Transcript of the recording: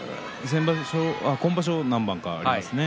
今場所、何番かありますね。